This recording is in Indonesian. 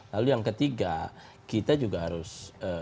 lalu yang ketiga kita juga harus